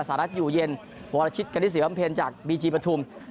สหรัฐอยู่เย็นวรชิตกัณฑิสิบัมเพลจากบีจีบภูมิ